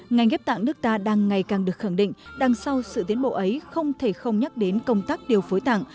ngành ghép tạng nước ta đang ngày càng được khẳng định đằng sau sự tiến bộ ấy không thể không nhắc đến công tác điều phối tạng